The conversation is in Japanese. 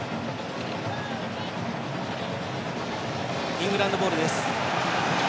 イングランドボールです。